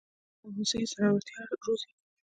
ښوونځی زړورتیا روزي